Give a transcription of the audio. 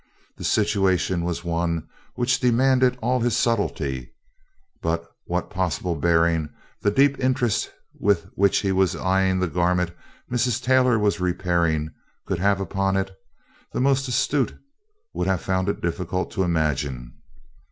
The situation was one which demanded all his subtlety, but what possible bearing the deep interest with which he was eying the garment Mrs. Taylor was repairing could have upon it, the most astute would have found it difficult to imagine.